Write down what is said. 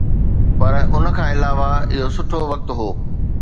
پر ان کان علاوه اهو سٺو وقت هو.